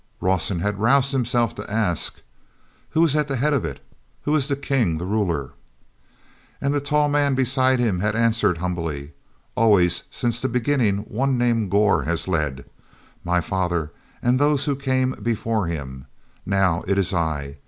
Rawson had roused himself to ask: "Who it at the head of it? Who is the king, the ruler?" And the tall man beside him had answered humbly: "Always since the beginning one named Gor has led. My father, and those who came before him; now it is I.